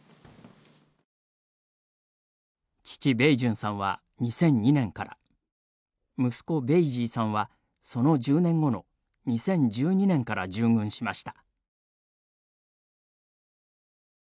父、ベイジュンさんは２００２年から息子、ベイジーさんはその１０年後の２０１２年から従軍しました。